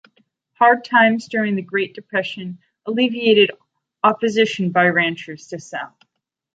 Hard times during the Great Depression alleviated opposition by ranchers to sell.